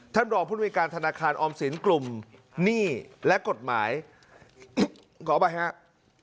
รองผู้บริการธนาคารออมสินกลุ่มหนี้และกฎหมายขออภัยครับ